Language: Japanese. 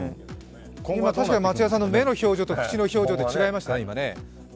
確かに、松也さんの目の表情と下の表情が違いましたね。